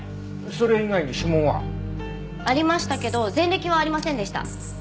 それ以外に指紋は？ありましたけど前歴はありませんでした。